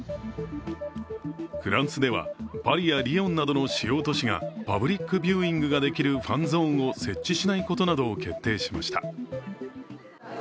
フランスでは、パリやリヨンなどの主要都市がパブリックビューイングができるファンゾーンを設置しないことなどを決定しました。